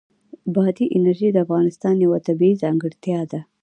بادي انرژي د افغانستان یوه طبیعي ځانګړتیا ده.